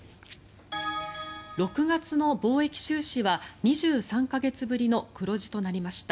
６月の貿易収支は２３か月ぶりの黒字となりました。